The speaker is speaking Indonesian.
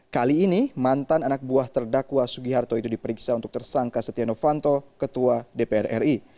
kali ini mantan anak buah terdakwa sugiharto itu diperiksa untuk tersangka setia novanto ketua dpr ri